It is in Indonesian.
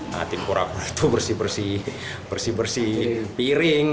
nah tim kora kora itu bersih bersih bersih bersih piring